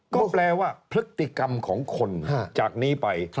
ก็แปลว่าพฤติกรรมของคนจากนี้ไป